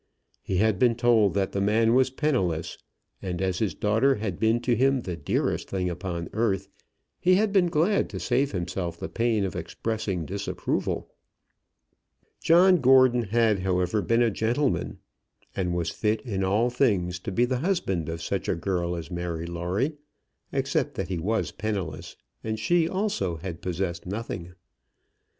He had been told that the man was penniless, and as his daughter had been to him the dearest thing upon earth, he had been glad to save himself the pain of expressing disapproval. John Gordon had, however, been a gentleman, and was fit in all things to be the husband of such a girl as Mary Lawrie, except that he was penniless, and she, also, had possessed nothing.